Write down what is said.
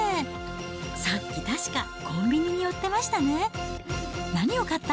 さっき確か、コンビニに寄ってましたね。